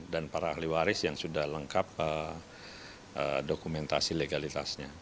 dan para ahli waris yang sudah lengkap dokumentasi legalitasnya